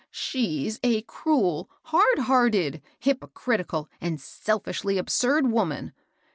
" She's a cruel, hard hearted, hypocritical, and selfishly absurd woman